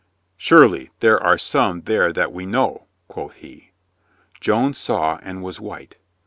"Surely there are some there that we know," quoth he. Joan saw and was white.